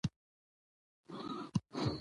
مهرباني وکړئ په یاد ولرئ: